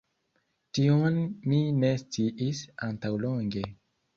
Tion mi ne sciis antaŭlonge